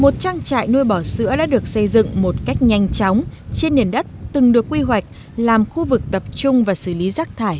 một trang trại nuôi bò sữa đã được xây dựng một cách nhanh chóng trên nền đất từng được quy hoạch làm khu vực tập trung và xử lý rác thải